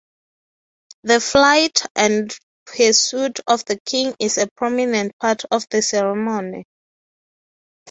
The flight and pursuit of the king is a prominent part of the ceremony.